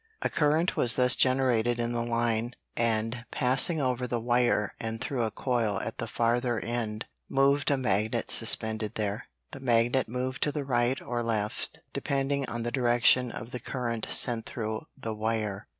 A current was thus generated in the line, and, passing over the wire and through a coil at the farther end, moved a magnet suspended there. The magnet moved to the right or left, depending on the direction of the current sent through the wire.